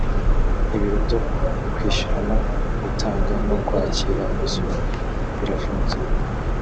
ibiro byo kwishyurana gutanga no kwakira imisoro birafunze